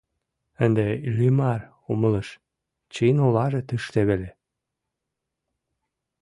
Ынде Иллимар умылыш: чын олаже тыште веле.